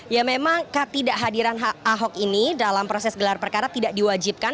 ya memang ketidakhadiran ahok ini dalam proses gelar perkara tidak diwajibkan